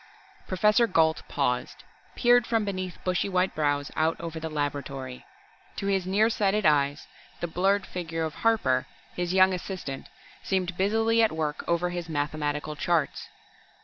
Professor Gault paused, peered from beneath bushy white brows out over the laboratory. To his near sighted eyes the blurred figure of Harper, his young assistant, seemed busily at work over his mathematical charts.